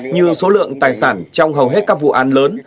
như số lượng tài sản trong hầu hết các vụ án lớn